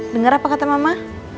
dengar apa kata mama